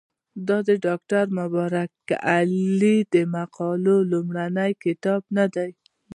دا د ډاکټر مبارک علي د مقالو لومړی کتاب نه دی.